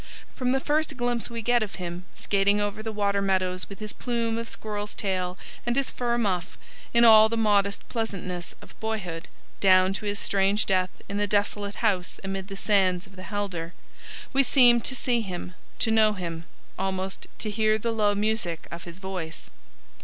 From the first glimpse we get of him, skating over the water meadows with his plume of squirrel's tail and his fur muff, in all the modest pleasantness of boyhood, down to his strange death in the desolate house amid the sands of the Helder, we seem to see him, to know him, almost to hear the low music of his voice.